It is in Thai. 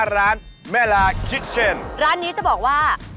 ร้านนี้จะบอกว่า